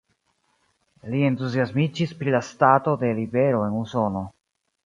Li entuziasmiĝis pri la stato de libero en Usono.